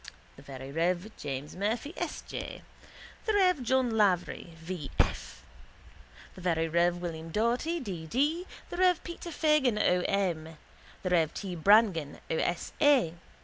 the very rev. James Murphy, S. J.; the rev. John Lavery, V. F.; the very rev. William Doherty, D. D.; the rev. Peter Fagan, O. M.; the rev. T. Brangan, O. S. A.